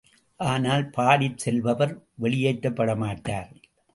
ஆனால், பாடிச் செல்பவர் வெளியேற்றப் பட மாட்டார்.